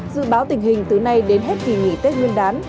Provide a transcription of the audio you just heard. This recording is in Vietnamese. dự báo tình hình từ nay đến hết kỳ nghỉ tết nguyên đán